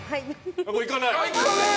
行かない！